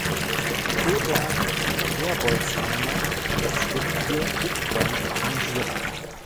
Peter Herbolzheimer hat das Stück für Big Band arrangiert.